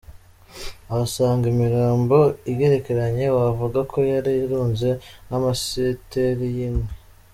Ahasanga imirambo igerekeranye wavuga ko yari irunze nk’amasiteri y’inkwi.